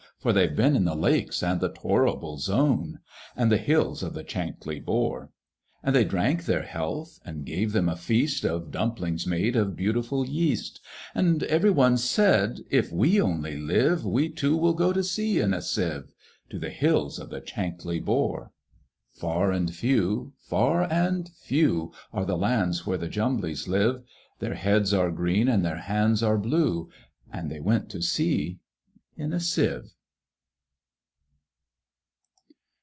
For they've been to the Lakes, and the Torrible Zone, And the hills of the Chankly Bore;" And they drank their health, and gave them a feast Of dumplings made of beautiful yeast; And every one said, "If we only live, We too will go to sea in a Sieve To the hills of the Chankly Bore!" Far and few, far and few, Are the lands where the Jumblies live; Their heads are green, and their hands are blue, And they went to sea in a Sieve.